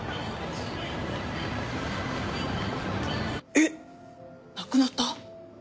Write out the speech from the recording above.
えっ亡くなった？